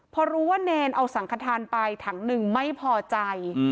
พอรู้ว่าเนรเอาสังขทานไปถังหนึ่งไม่พอใจ